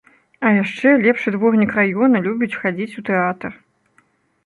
А яшчэ лепшы дворнік раёна любіць хадзіць у тэатр.